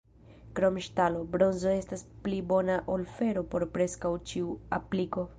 Krom ŝtalo, bronzo estas pli bona ol fero por preskaŭ ĉiu apliko.